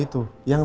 dia sudah berubah